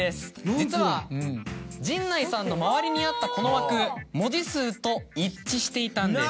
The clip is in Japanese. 実は陣内さんの周りにあったこの枠文字数と一致していたんです。